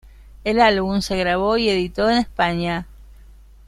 El álbum se grabó y editó en España.